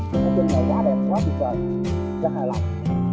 chương trình này giá đẹp quá tuyệt vời rất hài lòng